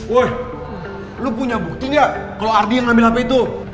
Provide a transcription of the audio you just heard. woy lo punya bukti gak kalo ardi yang ngambil hp itu